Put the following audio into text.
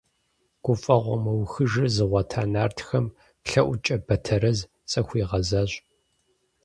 Гуфӏэгъуэ мыухыжыр зыгъуэта нартхэм лъэӏукӏэ Батэрэз захуигъэзащ.